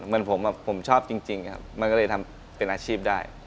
เหมือนผมผมชอบจริงครับมันก็เลยทำเป็นอาชีพได้